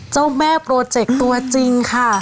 เจ้าแม่โปรเจกต์ตัวจริงค่ะ